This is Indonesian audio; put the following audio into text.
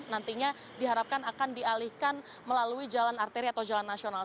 nantinya diharapkan akan dialihkan melalui jalan arteri atau jalan nasional